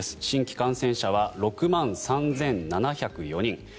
新規感染者は６万３７０４人。